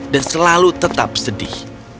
dan selalu tetap sedih